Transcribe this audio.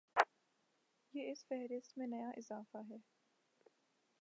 یہ اس فہرست میں نیا اضافہ ہے۔